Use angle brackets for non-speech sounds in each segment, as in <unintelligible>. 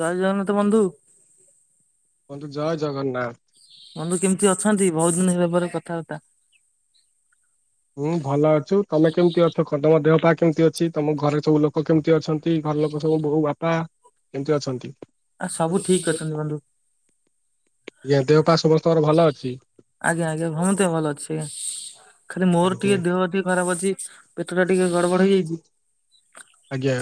ଜୟ ଜଗନ୍ନାଥ ବନ୍ଧୁ। ବନ୍ଧୁ ଜୟ ଜଗନ୍ନାଥ। ବନ୍ଧୁ କେମିତି ଅଛନ୍ତି ବୋହୁତ ଦିନ ହେଲା ପରେ କଥାବାର୍ତ୍ତା। ହଁ ଭଲ ଅଛୁ ତମେ କେମିତି ଅଛ ତମ ଦେହ ପା କେମିତି ଅଛି ତମ ଘରେ ସବୁ ଲୋକ କେମିତି ଅଛନ୍ତି। ନ୍ତି ଘର ଲୋକ ସବୁ ବୋଉ ବାପା ଏମିତି ଅଛନ୍ତି। ଆ ସବୁ ଠିକ ଅଛନ୍ତି ବନ୍ଧୁ। ୟା ଦେହପା ସମସ୍ତଙ୍କର ଭଲ ଅଛି। ଆଜ୍ଞା ଆଜ୍ଞା ହଁତ ଭଲ ଅଛି ଖାଲି ମୋର ଆଜ୍ଞା। ଟିକେ ଦେହ ଟିକେ ଖରାପ ଅଛି। ପେଟଟା ଟିକେ ଗଡ଼ବଡ଼ ହେଇଯାଇଚି। ଆଜ୍ଞା।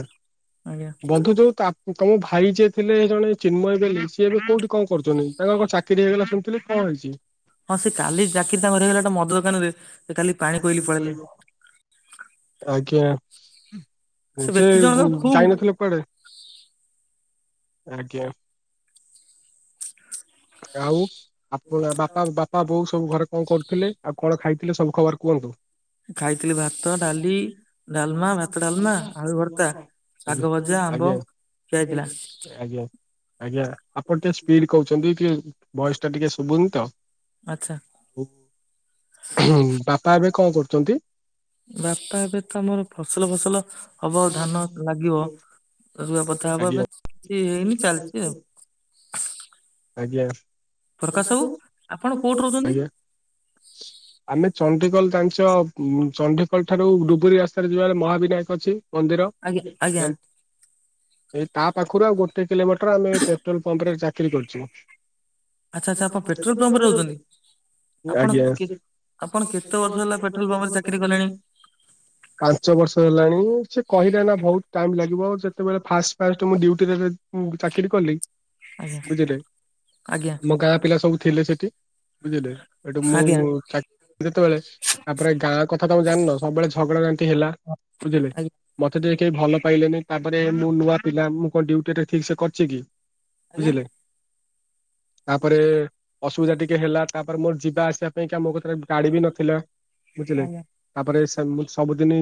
ଆଜ୍ଞା। ବନ୍ଧୁ ଯୋଉ ତାମ ତମ ଭାଇ ଯିଏ ଥିଲେ ଜଣେ ଚିନ୍ମୟ ବେଲି ସିଏ ଏବେ କୋଉଠି। କଣ କରୁଛନ୍ତି ତାଙ୍କର ଚାକିରି ହେଇଗଲା ସୁଣିଥିଲି କଣ ହେଇଛି। ହଁ ସେ କାଲି ଚାକିରି ତାଙ୍କ <unintelligible> ହେଇଗଲା ମଦ ଦୋକାନ ରେ ସେ କାଲି ପାଣି କୋଇଲି ପଳେଲେଣି। ଆଜ୍ଞା ସେ <unintelligible> ବ୍ୟକ୍ତି ଜଣକ ଖୁବ୍ ଯାଇନଥିଲା କୁଆଡେ। ଆଜ୍ଞା। ଆଉ ଆପ ବାପା ବାପା ବୋଉ ସବୁ ଘରେ କଣ କରୁଥିଲେ ଆଉ କଣ ଖାଇଥିଲେ ସବୁ ଖବର କୁହନ୍ତୁ। ଖାଇଥିଲି ଭାତ ଡାଲି ଡାଲମା ଭାତ ଡାଲମା ଆଳୁ ଭର୍ତ୍ତା ଆଜ୍ଞା। ଶାଗ ଭଜା ଆମ୍ବ ଆଜ୍ଞା ଖିଆ ହେଇଥିଲା। ଆଜ୍ଞା ଆଜ୍ଞା ଆପଣ ଟିକେ ସ୍ପିଡ କହୁଛନ୍ତି କି ଭଏସ ଟା ଟିକେ ଶୁଭୁନି ତ ଆଚ୍ଛା। ବାପା ଏବେ କଣ କରୁଛନ୍ତି। ବାପା ଏବେ ତ ଆମର ଫସଲ ଫସଲ ହବ ଧାନ ଲାଗିବ ରୁଆପତା ହବ ଆଜ୍ଞା ଏବେ କିଛି ହେଇନି ଚାଲିଛି ଆଉ। ଆଜ୍ଞା ପ୍ରକାଶ ବାବୁ ଆପଣ କୋଉଠି <inaudible> ରହୁଛନ୍ତି? ଆଜ୍ଞା। ଆମେ ଚଣ୍ଡିକଲ ଜାଣିଛ ଚଣ୍ଡିକଲ ଠାରୁ ଡୁବରି ରାସ୍ତାରେ ଯିବାରେ ମହାବିନାୟକ ଅଛି। ମନ୍ଦିର ଆଜ୍ଞା ଆଜ୍ଞା <unintelligible> ଏଇ ତା ପାଖରୁ ଆଉ ଗୋଟେ କିଲୋମିଟର ଆମେ ପେଟ୍ରୋଲ ପମ୍ପ ରେ ଚାକିରି କରିଚୁ। ଆଚ୍ଛା ସେ <inaudible> ଆଚ୍ଛା ଆପଣ ପେଟ୍ରୋଲ ପମ୍ପରେ ପମ୍ପ ରେ ରହୁଛନ୍ତି ରୋହୁଚନ୍ତି। ଆପଣ ଆଜ୍ଞା। କେ ଆପଣ କେତେ ବର୍ଷ ହେଲା ପେଟ୍ରୋଲ ପମ୍ପରେ ଚାକିରି କଲେଣି? ପାଞ୍ଚ ବର୍ଷ ହେଲାଣି ସେଟ କହିଲେ ଏନା ବୋହୁତ ଟାଇମ ଲାଗିବ ଯେତେବେଳେ ଫାଷ୍ଟ ଫାଷ୍ଟ ମୁଁ ଡିୟୁଟିରେରେ ହୁଁ ଚାକିରି କଲି ଆଜ୍ଞା ବୁଝିଲେ ଆଜ୍ଞା ମୋ ଗାଁ ପିଲା ସବୁ ଥିଲେ ସେଟି ବୁଝିଲେ ଏଠୁ ଆଜ୍ଞା ମୁଁ ଚାକେ ଯେତେବେଳେ ତାପରେ ଗାଁ କଥା ତମ ଜାଣିନ ସବୁଳେ ଝଗଡା ଯୋତି ହେଲା ବୁଝିଲେ ଆଜ୍ଞା ମତେ ଟିକେ କେହି ଭଲ ପାଇଲେନି ତାପରେ ମୁଁ ନୂଆ ପିଲା ମୁଁ କଣ ଡୁଟି ଠିକ ସେ କରିଚି କି ଆଜ୍ଞା ବୁଝିଲେ ତାପରେ ଅସୁବିଧା ଟିକେ ହେଲା ତାପରେ ମୋର ଯିବା ଆସିବା ପାଇଁକା ମୋ ପାଖରେ ଗାଡି ବି ନଥିଲା ବୁଝିଲେ ଆଜ୍ଞା ତାପରେ ସବୁଦିନ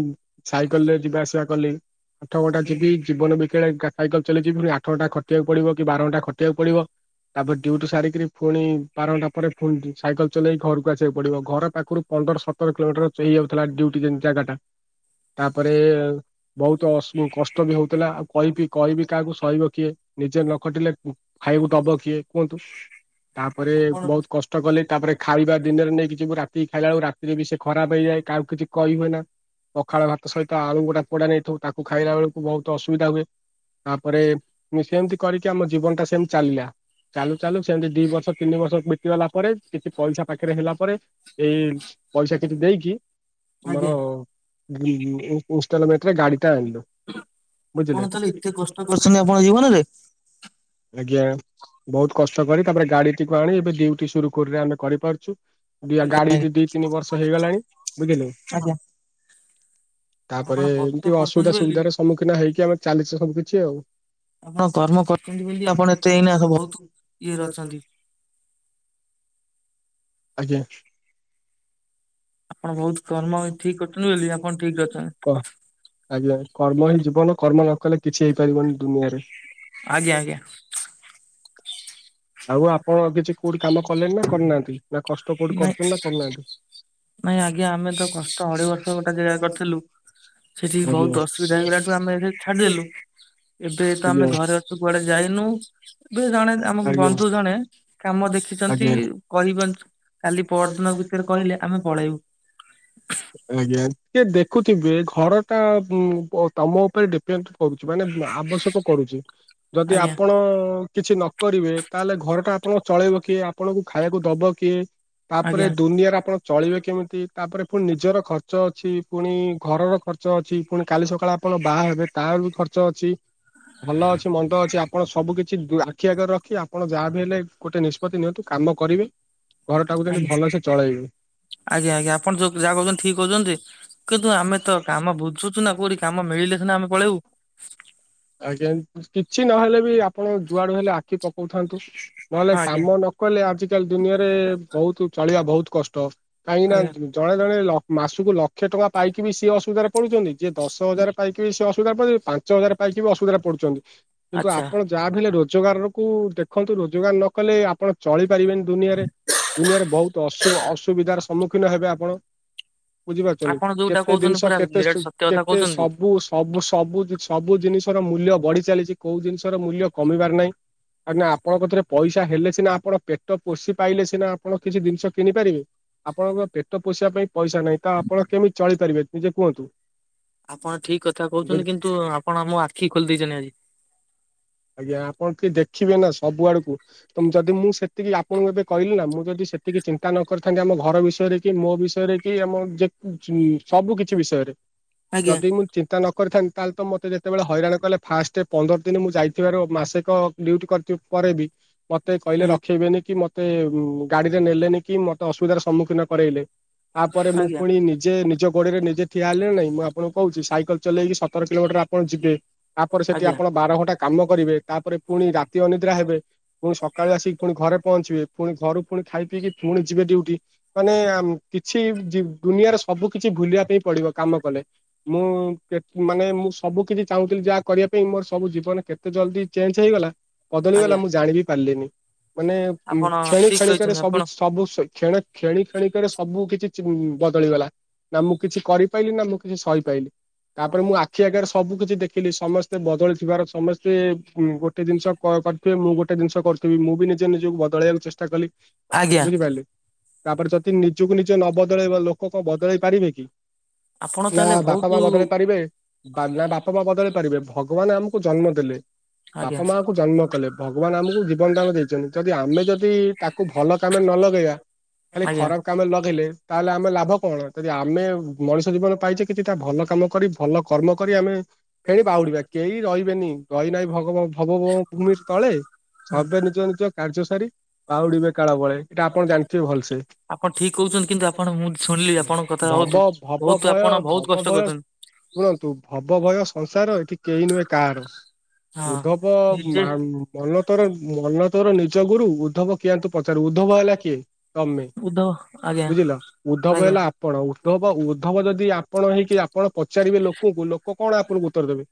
ସାଇକେଲ ରେ ଯିବା ଆସିବା କଲି ଆଠ ଘଟା ଯିବି ଜୀବନ ବିକେଳେ ସାଇକେଲ ଚାଲିଚଛି ପୁଣି ଆଠ ଘଣ୍ଟା ଖଟିବାକୁ ପଡିବ କି ବାର ଘଣ୍ଟା ଖଟିବାକୁ ପଡିବ ତାପରେ ଡିୟୁଟି ସାରିକିରି ପୁଣି ବାରଘଣ୍ଟା ପରେ ପୁଣି ସାଇକେଲ ଚଲେଇ ଘରକୁ ଆସିବାକୁ ପଡିବ ଘର ପାଖରୁ ପନ୍ଦର ସତ ସତର କିଲୋମିଟର ପେଇଯାଉଥିଲା ଡିୟୁଟି ଯେ ଜାଗାଟା ତାପରେ ବହୁତ କଷ୍ଟ ବି ହଉଥିଲା ଆଉ କହିବି କହିବି କାହାକୁ ସହିବ କିଏ ନିଜେ ନ ଖଟିଲେ ଖାଇବୁ ଦବ କିଏ କୁହନ୍ତୁ ତାପରେ ଆପଣ ବୋହୁତ କଷ୍ଟ ଷ୍ଟ କଲେ ତାପରେ ଖାଇବା ଦିନରେ ନେଇକି ଯିବୁ ରାତିକି ଖାଇଲା ବେଳକୁ ରାତିରେ ବି ସେ ଖରାପ ହେଇଯାଏ କାହାକୁ କିଛି କହିହୁଏ ନା। ପଖାଳ ଭାତ ସହିତ ଆଳୁ ଗୋଟା ପୋଡା ନେଇଥିବୁ ତାକୁ ଖାଇଲା ବେଳକୁ ବହୁତ ଅସୁବିଧା ହୁଏ। ତାପରେ ମୁଁ ସେମତି କରିକି ଆମ ଜୀବନ ଟା ସେମତି ଚାଲିଲା। ଚାଲୁ ଚାଲୁ ସେମତି ଦି ବର୍ଷ ତିନି ବର୍ଷ ବତିଗଲା ପରେ କିଛି ପଇସା ପାଖରେ ହେଲା ପରେ ଏ ପଇସା କିଛି ଦେଇକି ଆଜ୍ଞା ତମର ଇଁ ଇଁ ଇନଷ୍ଟଲମେଣ୍ଟ ରେ ଗାଡି ଟା ଆଣିଲୁ। ବୁଝିଲେ ଆପଣ ତାହେଲେ ଏତେ କଷ୍ଟ କରିଛନ୍ତି ଆପଣଙ୍କ ଜୀବନରେ? ଆଜ୍ଞା। ବହୁତ କଷ୍ଟ କରି ତାପରେ ଗାଡିଟିକୁ ଆଣି ଏବେ ଡୁଟି ସୁରୁଖୁରୁରେ ଆମେ କରିପାରୁଛୁ। ଦିଆ ଆଜ୍ଞା ଗାଡି ଟି ଦି ତିନି ବର୍ଷ ହେଇଗଲାଣି। ବୁଝିଲୁ ଆଜ୍ଞା ତାପରେ ଆପଣ କଷ୍ଟ ଏମିତି କରୁଛନ୍ତି ଅସୁବିଧା ବୋଲି ସୁବିଧାର ସମ୍ମୁଖୀନ ହେଇକି ଆମେ ଚାଲିଛେ ସବୁ କିିଛି ଆଉ ଆପଣ କର୍ମ କରୁଛନ୍ତି ବୋଲି ଆପଣ ଏତେ ଏଇନା ସବୁ ବହୁତ ଇଏରେ ଅଛନ୍ତି। ଆଜ୍ଞା। ଆପଣ ବହୁତ କର୍ମ ଠିକ କରୁଛନ୍ତି ବୋଲି ଆପଣ ଠିକ ଅଛନ୍ତି କୁହ? ଆଜ୍ଞା କର୍ମ ହିଁ ଜୀବନ କର୍ମ ନ କଲେ କିଛି ହେଇପାରିବନି ଦୁନିଆରେ। ଆଜ୍ଞା ଆଜ୍ଞା। ଆଉ ଆପଣ କିଛି କୋଉଠି କାମ କଲେଣି ନା କରିନାହାନ୍ତି। ନା କଷ୍ଟ କୋଉଠି କରୁଛନ୍ତି ନାଇଁ ନା କରୁନାହାନ୍ତି? ନାଇଁ ଆଜ୍ଞା ଆମେ ତ କଷ୍ଟ ଅଢ଼େଇ ବର୍ଷ ଗୋଟେ ଜାଗା କରିଥିଲୁ। ସେଠି ଆଜ୍ଞା। ବହୁତ ଅସୁବିଧା ହେଇଗଲାଠୁ ଆମେ ଏଇଠି ଛାଡିଦେଲୁ। ଏବେ ତ ଆଜ୍ଞା ଆମେ ଘରେ ଅଛୁ କୁଆଡେ ଯାଇନୁ ଏବେ ଜଣେ ଆମ ଆଜ୍ଞା। ବନ୍ଧୁ ଜଣେ କାମ ଦେଖିଛନ୍ତି ଆଜ୍ଞା କହିବନ୍ତ କାଲି ପହର ଦିନ ଭିତରେ କହିଲେ ଆମେ ପଳେଇ ଆଜ୍ଞା ଟିକେ ଦେଖୁଥିବେ ଘର ଟା ଉଁ ପ ତମ ଉପରେ ଡିପେଣ୍ଡ କରୁଛି ମାନେ ଆବଶ୍ୟକ କରୁଛି ଯଦି ଆଜ୍ଞା ଆପଣ କିଛି ନ କରିବେ ତାହେଲେ ଘର ଟା ଆପଣ ଚଳେଇବ କିଏ ଆପଣଙ୍କୁ ଖାଇବାକୁ ଦବ କିଏ? ତାପରେ ଆଜ୍ଞା ଦୁନିଆରେ ଆପଣ ଚଳିବେ କେମତି ତାପରେ ପୁଣି ନିଜର ଖର୍ଚ୍ଚ ଅଛି ପୁଣି ଘରର ଖର୍ଚ୍ଚ ଅଛି। ପୁଣି କାଲି ସକାଳେ ଆପଣ ବାହା ହେବେ ତାର ବି ଖର୍ଚ୍ଚ ଅଛି ଭଲ ଅଛି ମନ୍ଦ ଅଛି ଆପଣ ସବୁ କି ଛି ଆଖି ଆଗରେ ରଖି ଆପଣ ଯାହା ବି ହେଲେ ଗୋଟେ ନିଷ୍ପତ୍ତି ନିଅନ୍ତୁ କାମ କରିବେ ଘରଟାକୁ ଯେମିତି ଆଜ୍ଞା ଭଲସେ ଚଳେଇବେ। ଆଜ୍ଞା ଆଜ୍ଞା ଆପଣ ଯୋଉ ଯାହା କହୁଛନ୍ତି ଠିକ କହୁଛନ୍ତି କିନ୍ତୁ ଆମେ ତ କାମ ବୁ ଝୁଛି ନା କୋଉଠି କାମ ମିଳିଲେ ସିନା ଆମେ ପଳେଇବୁ। ଆଜ୍ଞା କିଛି ନହେଲେ ବି ଆପଣ ଯୁଆଡୁ ହେଲେ ଆଖି ପକଉଥାନ୍ତୁ ନହେଲେ ହଁ ଆଜ୍ଞା କାମ ନ କରଲେ ଆଜିକାଲି ଦୁନିଆରେ ବହୁତ ଚଳିବା ବହୁତ କଷ୍ଟ କାହିଁକିନା ଆଜ୍ଞା। ଜଣେ ଜଣେ ଲକ୍ ମାସକୁ ଲକ୍ଷେ ଟଙ୍କା ପାଇକି ବି ସିଏ ଅସୁବିଧାରେ ପଡୁଛନ୍ତି। ଯିଏ ଦଶ ହଜାର ପାଇକି ବି ସେ ଅସୁବିଧାରେ ପଡୁଛନ୍ତି। ପାଞ୍ଚ ହଜାର ପାଇକି ବି ଅସୁବିଧାରେ ପଡୁଛନ୍ତି। କିନ୍ତୁ ଆଚ୍ଛା ଆପଣ ଯାହା ବି ହେଲେ ରୋଜଗାରକୁ ଦେଖନ୍ତୁ ରୋଜଗାର ନ କଲେ ଆପଣ ଚଳିପାରିବେନି ଦୁନିଆରେ ଦୁନିଆରେ ବହୁତ ଅସୁ ଅସୁବିଧାର ସମ୍ମୁଖୀନ ହେବେ ଆପଣ। ବୁଝିପାରୁଛନ୍ତି ଆପଣ ଯୋଉଟା କେତେ କହୁଛନ୍ତି ଜିନିଷ ପୁରା କେତେ ନିରାଟ ସ ସତ୍ୟ କଥା କେତେ କହୁଛନ୍ତି। ସବୁ ସବୁ ସବୁ କିଛି ସବୁ ଜିନିଷର ମୂଲ୍ୟ ବଢି ଚାଲିଛି। କୋଉ ଜିନିଷର ମୂଲ୍ୟ କମିବାର ନାହିଁ। ନା ଆପଣଙ୍କ ଥ୍ରୁ ରେ ପଇସ୍ ଟା ହେଲେ ସିନା ଆପଣ ପେଟ ପୋଷି ପାଇଲେ ସିନା ଆପଣ କିଛି ଜିନିଷ କିଣିପାରିବେ। ଆପଣଙ୍କର ପେଟ ପୋଷିବା ପାଇଁ ପଇସା ନାହିଁ ତ ଆପଣ କେମିତି ଚଳିପାରିବେ ନିଜେ କୁହନ୍ତୁ। ଆପଣ ଠିକ୍ କଥା ବୁଝ କହୁଛନ୍ତି କିନ୍ତୁ ଆପଣ ଆମ ମୋ ଆଖି ଖୋଲି ଦେଇଛନ୍ତି ଆଜି। ଆଜ୍ଞା ଆପଣ ଟିକେ ଦେଖିବେ ନା ସବୁ ଆଡକୁ। ତ ମୁଁ ଯଦି ମୁଁ ସେତିକି ଆପଣଙ୍କୁ ଏବେ କହିଲି ନା ମୁଁ ଯଦି ସେତିକି ଚିନ୍ତା ନ କରିଥାନ୍ତି ଆମ ଘର ବିଷୟରେ କି ମୋ ବିଷୟରେ। କି ଆମ ଯେ ଜୁ ସବୁ କିଛି ବିଷୟରେ। ଆଜ୍ଞା ଯଦି ମୁଁ ଚିନ୍ତା ନ କରିଥାନ୍ତି ତାହେଲେ ତ ମତେ ଯେତେବେଳେ ହଇରାଣ କଲେ। ଫାଷ୍ଟ ପନ୍ଦର ଦିନ ମୁଁ ଯାଇ ଥିବର ମାସେକ ଡଟି କରିିଥି ପରେ ବି ମତେ କହିଲେ ଆଜ୍ଞା ରଖେଇବେନି କି ମ ତେ ଗାଡିରେ ନେଲେନି କି ମତେ ଅସୁବିଧାର ସମ୍ମୁଖୀନ କରାଇଲେ। ତାପରେ ମୁଁ ଆଜ୍ଞା ପୁଣି ନିଜେ ନିଜ ଗୋଡିରେ ନିଜେ ଠିଆ ହେଲେ ନାଇଁ। ମୁଁ ଆପଣଙ୍କୁ କୋହୁଚି ସାଇକେଲ ଚଲେଇକି ସତର କିଲୋମିଟର ଆପଣ ଯିବେ, ତାପରେ ସେଠି ଆଜ୍ଞା ଆପଣ ବାର ଘଣ୍ଟା କାମ କରିବେ, ତାପରେ ଫୁଣି ରାତି ଅନି ଦ୍ରା ହେବେ ପୁଣି ସକାଳୁ ଆସିକି ପୁଣି ଘରେ ପହଞ୍ଚିବେ। ଫୁଣି ଘରୁ ପୁଣି ଖାଇ ପିଇକି ପୁଣି ଯିବେ ଡ୍ୟୁଟି। ମାନେ କିଛି ଜି ଦୁନିଆଁରେ ସବୁ କିଛି ଭୁଲିବା ପାଇଁ ପଡିବ କାମ କଲେ। ମୁଁ କେ ମାନେ ମୁଁ ସବୁ କିଛି ଚାହୁଁଥିଲି ଯାହା କରିବା ପାଇଁ ମୋର ସବୁ ଜୀବନେ କେତେ ଜଲଦି ଚେଞ୍ଜ ହେଇଗଲା ଆଜ୍ଞା ବଦଳିଗଲା ମୁଁ ଜାଣିବି ପାରିଲିନି। ମାନେ ଉଁ ଆପଣ କ୍ଷେଣି ଠିକ କ୍ଷେଣିକରେ କହିଛନ୍ତି ଆପଣ ସବୁ ସବୁ ସ କ୍ଷେଣେ କ୍ଷେଣି କ୍ଷଣି କରେ ସବୁ କିଛି ଚେ ଉଁ ବଦଳିଗଲା ନା ମୁଁ କିଛି କରିପାରଲିି ନା ମୁଁ କିଛି ସହି ପାଇଲି। ତାପରେ ମୁଁ ଆଖି ଆଗରେ ସବୁ କିିଛି ଦେଖିଲି ସମସ୍ତେ ବଦଳିଥିବାର ସମ ସେ ଗୋଟେ ଜିନିଷ କ-କରିଥିବେ। ମୁଁ ଗୋଟେ ଜିନିଷ କରୁଥିବି। ମୁଁ ବି ନିଜେ ନିଜକୁ ବଦଳେଇବାକୁ ଚେଷ୍ଟା କଲି। ଆଜ୍ଞା ବୁଝିପାରିଲି ତାପରେ ଯଦି ନିଜକୁ ନିଜ ନ ବଦଳେଇବା ଲୋକ କଣ ବଦଳେଇ ପାରିବେ କି। ଆପଣ ତାହେଲେ ନାଁ ବାପା ବହୁତ ମା ବଦଳେଇ ପାରିବେ। ବାଲା ବାପା ମା ବଦଳେଇ ପାରିବେ ଭଗବାନ ଆମକୁ ଜନ୍ମ ଦେଲେ ଆଜ୍ଞା ବାପା ମାଆଙ୍କୁ ଜନ୍ମ କଲେ। ଭଗବାନ ଆମକୁ ଜୀବନଦାନ ଦେଇଚନ୍ତି। ଯଦି ଆମେ ଯଦି ତାକୁ ଭଲ କାମରେ ନ ଲଗେଇବା। ଖାଲି ଆଜ୍ଞା ଖରାପ କାମ ଲଗେଇଲେ ତାହେଲେ ଆମେ ଲାଭ କଣ। ଯଦି ଆମେ ମଣିଷ ଜୀବନ ପାଇଚେ କିଛିଟା ଭଲ କାମ କରି ଭଲ କର୍ମ କରି ଆମେ ଫେଣି ବାହୁଡିବା କେହି ରହିବେନି ରହିନାହିଁ ଭଗବ ଭବଗତ୍ ଭୂମି ତଳେ ସର୍ବେ ନିଜ ନିଜ କାର୍ଯ୍ୟ ସାରି ବାହୁଡିବେ କାଳ ବଳେ ଏଟା ଆପଣ ଜାଣିଥିବେ ଭଲସେ। ଆପଣ ଠିକ୍ କୋହୁଚନ୍ତି କିନ୍ତୁ ଆପଣ ମୁଁ ଶୁଣିଲି ଆପଣଙ୍କ କଥା ଭବ ବୋହୁତୁ, ଭବ ବୋହୁତ ଭୟ ଆପଣ ଭବ ବୋହୁତ କଷ୍ଟ ଭୟ କରୁଚନ୍ତି। ଶୁଣନ୍ତୁ ଭବ ଭୟ ସଂସାର ଏଠି କେହି ନୁହେଁ କାହାର। ହଁ ଉଦ୍ଧବ ନିଜେ ମା ମନ ତୋର ମନ ତୋର ନିଜ ଗୁରୁ ଉଦ୍ଧବ କିଆଁନ୍ତୁ ତୁ ପଚାରୁ ଉଦ୍ଧବ ହେଲା କିଏ ତମେ ଉଦ୍ଧବ ଆଜ୍ଞା ବୁଝିଲ ଉଦ୍ଧବ ଆଜ୍ଞା ହେଲା ଆପଣ ଉଦ୍ଧବ ଉଦ୍ଧବ ଯଦି ଆପଣ ହେଇକି ଆପଣ ପଚାରିବେ ଲୋକ କୁ ଲୋକ କଣ ଆପଣଙ୍କୁ ଉତ୍ତର ଦେବେ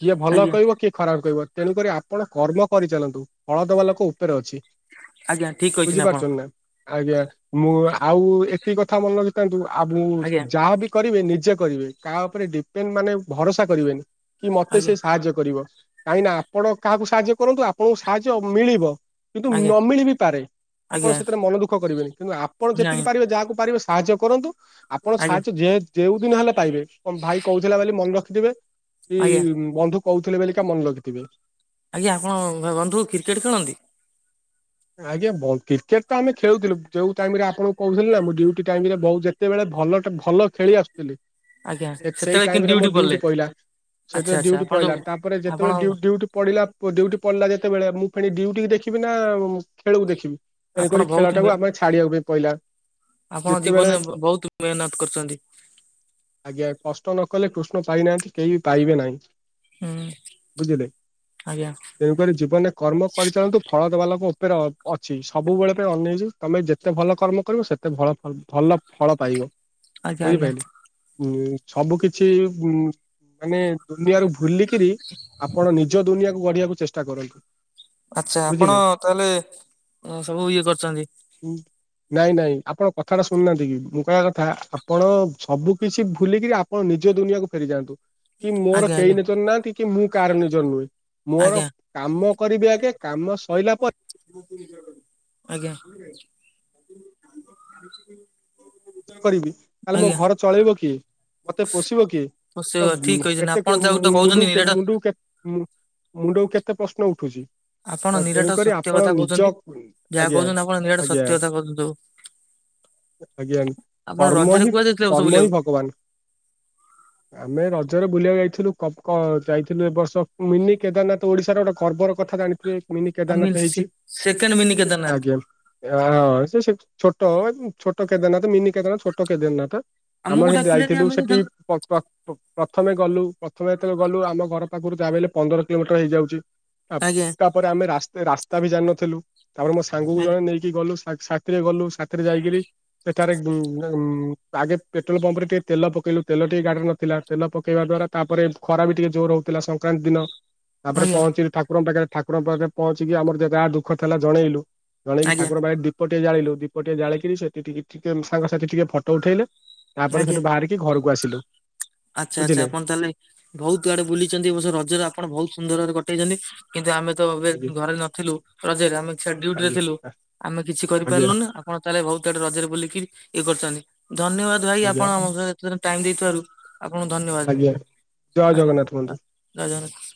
କିଏ ଭଲ ଆଜ୍ଞା କହିବ କିଏ ଖରାପ କହିବ ତେଣୁକରି ଆପଣ କର୍ମ କରିଚାଲନ୍ତୁ। ଫଳଦବା ଲୋକ ଉପରେ ଅଛି। ଆଜ୍ଞା ଠିକ୍ କହିଚନ୍ତି ଆପଣ। <unintelligible> ଆଜ୍ଞା ମୁଁ ଆଉ ଏତିକି କଥା ମନେ ରଖିଥାନ୍ତୁ ଆ ମୁଁ ଆଜ୍ଞା ଯାହାବି କରିବେ ନିଜେ କରିବେ କାହା ଉପରେ ଡିପେଣ୍ଡ ମାନେ ଭରସା କରିବେନି କି ମତେ ଆଜ୍ଞା ସେ ସାହାଯ୍ୟ କରିବ। କାହିଁକି ନା ଆପଣ କାହାକୁ ସାହାଯ୍ୟ କରନ୍ତୁ ଆପଣଙ୍କୁ ସାହାଯ୍ୟ ମିଳିବ କିନ୍ତୁ ଆଜ୍ଞା ନମିଳି ବି ପାରେ। ଆପଣ ଆଜ୍ଞା ସେଥିରେ ମନ ଦୁଃଖ କରିବେନି କିନ୍ତୁ ଆପଣ ଯେତିକି ନାଇଁ ପାରିବେ ଯାହାକୁ ପାରିବେ ସାହାଯ୍ୟ କରନ୍ତୁ। ଆପଣ ଆଜ୍ଞା ସାହାଯ୍ୟ ଯେ-ଯେଉ ଦିନ ହେଲେ ପାଇବେ କଣ ଭାଇ କୋହୁଥିଲା ବୋଲି ମନେ ରଖିଥିବେ। କି ଆଜ୍ଞା ବନ୍ଧୁ କହୁଥିଲେ ବୋଲିକା ମନେ ରଖିଥିବେ। ଆଜ୍ଞା ଆପଣ ବ-ବନ୍ଧୁ କ୍ରିକେଟ୍ ଖେଳନ୍ତି? ଆଜ୍ଞା ବୋଉ କ୍ରିକେଟ ତ ଆମେ ଖେଳୁଥିଲୁ ଯୋଉ ଟାଇମରେ ଆପଣଙ୍କୁ କୋହୁଥିଲି ନା ମୁଁ ଡ୍ୟୁଟି ଟାଇମରେ ବୋଉ ଯେ ଯେତେବେଳେ ଭଲଟା ଭଲ ଖେଳି ଆସୁଥିଲି। ଆଜ୍ଞା ସେ- ସେଇ ସେତେବେଳେ ଟାଇମରେ ମୋର ପଡିଲେ ଡ୍ୟୁଟି ପ‌ଇଲା। ଆଚ୍ଛା ସେତେବେଳେ ଆଚ୍ଛା ଡ୍ୟୁଟି ଆପଣ ପ‌ଇଲା ଯୋଉ ତାପରେ ଆପଣ ଯେତେବେଳେ ଡ୍ୟୁ-ଡ୍ୟୁଟି ପଡିଲା। ମୋ ଡ୍ୟୁଟି ପଡିଲା ଯେତେବେଳେ ମୁଁ ଫେଣି ଡ୍ୟୁଟି କୁ ଦେଖିବି ନା ଖେଳକୁ ଦେଖିବି। ତେଣୁ ଆପଣ କରି ବହୁତ ଖେଳଟାକୁ ଆମେ ଛାଡିବାକୁ ବି ପଇଲା। ଆପଣ ଯେତେବେଳେ ଜୀବନରେ ବୋ-ବୋହୁତୁ ମେହନତ୍ କରିଚନ୍ତି। ଆଜ୍ଞା। କଷ୍ଟ ନ କଲେ କୃଷ୍ଣ ପାଇନାହାନ୍ତି କେହି ବି ପାଇବେ ନାହିଁ। ହୁଁ ବୁଝିଲେ, ଆଜ୍ଞା ତେଣୁକରି ଜୀବନରେ କର୍ମ କରିଚାଳନ୍ତୁ ଫଳ ଦେବା ଲୋକ ଉ ଉପରେ ଅ ପ ଅଛି। ସବୁବେଳେ ପାଇଁ ଅନେଇଛି ତମେ ଯେତେ ଭଲ କର୍ମ କରିବ ସେତେ ଭଳ ଫଳ ଭଲ ଫଳ ପାଇବ। ଆଜ୍ଞା ଆଜ୍ଞା। ଉଁ ସବୁ କିଛି ଉଁ ମାନେ ଦୁନିଆରୁ ଭୁଲିକିରି ଆପଣ ନିଜ ଦୁନିଆକୁ ଗଢିଆକୁ ଚେଷ୍ଟା କରନ୍ତୁ। ଆଛା। ଆପଣ ବୁଝିଲେ। ତାହେଲେ ସବୁ ଇଏ କରିଛନ୍ତି। ହୁଁ। ନାଇଁ ନାଇଁ ଆପଣ କଥା ଟା ଶୁଣୁନାହାନ୍ତି କି? ମୁଁ କହିବା କଥା ଆପଣ ସବୁ କିଛି ଭୁଲିକିରି ଆପ୍ ପଣ ନିଜ ଦୁନିଆକୁୁ ଫେରିଯାଆନ୍ତୁ କି ମୋର ଆଜ୍ଞା କେହି ଆଜ୍ଞା ନିଜର ନାହାନ୍ତି କି ମୁଁ କାହାର ନିଜର ନୁହେଁ। ମୋର ଆଜ୍ଞା କାମ କରିବି ଆଗେ, କାମ ସଇଲା ପ୍ ଆଜ୍ଞା। କରିବି ତାହଲେ ମୋ ଆଜ୍ଞା ଘର ଚଳେଇବ କିଏ? ମତେ ପୋଷିବ କିଏ? ନିଶ୍ଚୟ ତ ଉଁ ଠିକ କହିଛନ୍ତି କେତେ ଆପଣ ଯାହାକୁ ତ ମୁ ମୁଣ୍ଡୁ କହୁଛନ୍ତି ନିରାଟ ମୁଣ୍ଡୁ ମୁଣ୍ଡକୁ କେତେ ପ୍ରଶ୍ନ ଉଠୁଛି? ଆପଣ ତ ନିରାଟ ତେଣୁକରି ସତ୍ୟ ଆପଣ କଥା କହୁଛନ୍ତି। ନିଜ ଯାହା ଆଜ୍ଞା କହୁଛନ୍ତି ଆପଣ ନିରାଟ ସତ୍ୟ ଆଜ୍ଞା। କଥା କହୁଛନ୍ତି ସବୁ ଆଜ୍ଞା। ଆପଣ କର୍ମ ରଜରେ ହିଁ କୁଆଡେ ଯାଇଥିଲେ ବର୍ଷ କର୍ମ ହିଁ ବୁଲିବାକୁ? ଭଗବାନ। ଆମେ ରଜରେ ବୁଲିବାକୁ ଯାଇଥିଲୁ କପ୍ କ ଯାଇଥିଲୁ ଏ ବର୍ଷ ମିନି କେଦାରନାଥ ଓଡିଶାର ଗୋଟେ କର୍ବର କଥା ଜାଣିଥିବେ। ମିନି କେଦାରନାଥ ହେଇଛି। ସେକେଣ୍ଡ ମିନି କେଦାରନାଥ ଆଜ୍ଞା। ହଁ। ସେ ଛୋଟ ଛୋଟ କେଦାରନାଥ, ମିିନି କେଦାରନାଥ ଛୋଟ କେଦାରନାଥ। ଆମକୁ ଆମର ସେଠି ଡାକିଲେନି ଯାଇଥିଲୁ ଆମେ ସେଠି ଯାଇଥାନ୍ତୁ ପ୍ର ପ ପ ପ ପ୍ରଥମେ ଗଲୁ, ପ୍ରଥମେ ଏତେଳେ ଗଲୁ ଆମ ଘର ପାଖରୁ ଯାହା ବି ହେଲେ, ପନ୍ଦର କିଲୋମିଟର ହେଇଯାଉଛି। ଆପ୍ ଆଜ୍ଞା ତାପରେ ଆମେ ରାସ୍ ରାସ୍ତା ବି ଜାଣିିନଥିଲୁ। ତାପରେ ମୋ ସାଙ୍ଗକୁ ଆଜ୍ଞା ଜଣେ ନେଇ କି ଗଲୁ ସାକ୍ ସାଥିରେ ଗଲୁ, ସାଥିରେ ଯାଇକରି ସେଠାରେ ଉଁ ଉଁ ଆଗେ ପେଟ୍ରୋଲ ପମ୍ପ ରେ ଟିକେ ତେଲ ପକେଇଲୁ। ତେଲ ଟିକେ ଗାଡିରେ ନଥିଲା। ତେଲ ପକେଇବା ଦ୍ଵାରା ତାପରେ ଖରା ବି ଟିକେ ଜୋରେ ହଉଥିଲା ସଂକ୍ରାନ୍ତି ଦିନ। ତାପରେ ଆଜ୍ଞା ପହଞ୍ଚିଲୁ ଠାକୁରଙ୍କ ପାଖରେ। ଠାକୁରଙ୍କ ପାଖରେ ପହଞ୍ଚିକି, ଆମର ଯାହା ଦୁଃଖ ଥିଲା ଜଣେଇଲୁ। ଜଣେଇକି ଆଜ୍ଞା ଠାକୁର ପାଖେ ଦୀପଟିଏ ଜାଳିଲୁ। ଦୀପଟିଏ ଜାଳିକିରି, ସେଠି ଟି ଟିକେ ସାଙ୍ଗସାଥି ଟିକେ ଫଟୋ ଉଠେଇଲେ। ତାପରେ, ଆଜ୍ଞା। ସେଠୁ ବାହାରିକି ଘରକୁ ଆସିଲୁ। ଆଚ୍ଛା ଆଚ୍ଛା ବୁଝିଲେ। ଆପଣ ତାହେଲେ ବହୁତ୍ ଆଡେ ବୁଲିଛନ୍ତି ଏ ବର୍ଷ ରଜରେ ଆପଣ ବହୁତ ସୁନ୍ଦର ଭାବରେ କଟେଇଛନ୍ତି। କିନ୍ତୁ ଆମେ ତ ଆଜ୍ଞା ଏବେ ଘରେ ନଥିଲୁ ରଜରେ। ଆମେ ଡୁଟି ରେ ଥିଲୁ। ଆମେ କିଛି କରିପାରିଲୁନି ଆଜ୍ଞା ନା ଆଉ ଆପଣ ତାହେଲେ ବହୁତ ଆଡେ ରଜରେ ବୁଲିକି ଇଏ କରିଛନ୍ତି। ଧନ୍ୟବାଦ ଭାଇ ଆପଣ ଆଜ୍ଞା ଆମ ସହ ଏତେ ଟାଇମ ଦେଇଥିବାରୁ। ଆପଣଙ୍କୁ ଧନ୍ୟବାଦ। ଆଜ୍ଞା ଜୟ ଆଜ୍ଞା। ଜଗନ୍ନାଥ ବନ୍ଧୁ। ଆ ଜୟ ଜଗନ୍ନାଥ।